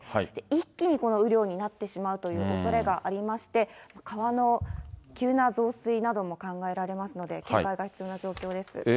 一気にこの雨量になってしまうというおそれがありまして、川の急な増水なども考えられますので、警戒が必要な状況です。